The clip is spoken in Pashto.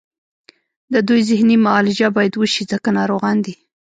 د دوی ذهني معالجه باید وشي ځکه ناروغان دي